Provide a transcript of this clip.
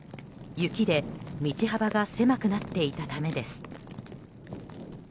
雪で道幅が狭くなっていたためです。